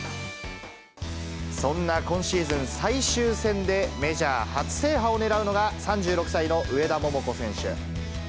そんな今シーズン最終戦で、メジャー初制覇を狙うのが、３６歳の上田桃子選手。